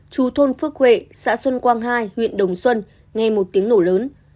chú thôn phước huệ xã xuân quang hai huyện đồng xuân nghe một tiếng nổ lớn